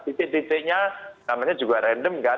titik titiknya namanya juga random kan